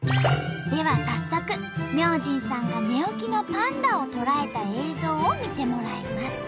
では早速明神さんが寝起きのパンダを捉えた映像を見てもらいます。